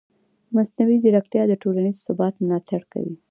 مصنوعي ځیرکتیا د ټولنیز ثبات ملاتړ کوي.